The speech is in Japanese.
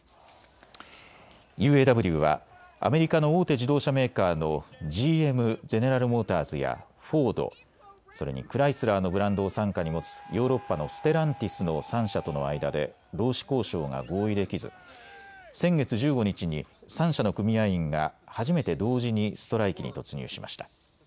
ＵＡＷはアメリカの大手自動車メーカーのＧＭ・ゼネラル・モーターズやフォード、それにクライスラーのブランドを傘下に持つヨーロッパのステランティスの３社との間で労使交渉が合意できず先月１５日に３社の組合員が初めて同時にストライキに突入しました。